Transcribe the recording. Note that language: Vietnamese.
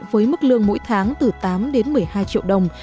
với mức lương mỗi tháng từ tám đến một mươi hai triệu đồng